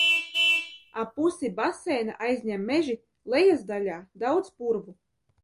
Ap pusi baseina aizņem meži, lejasdaļā daudz purvu.